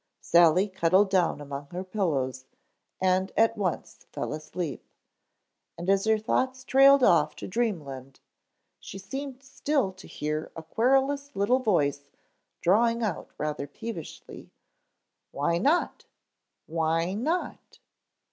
Sally cuddled down among her pillows and at once fell asleep; and as her thoughts trailed off to dreamland she seemed still to hear a querulous little voice drawling out rather peevishly, "Why not? Why not?"